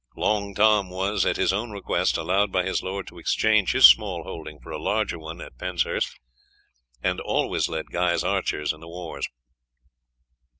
Long Tom was, at his own request, allowed by his lord to exchange his small holding for a larger one at Penshurst, and always led Guy's archers in the wars.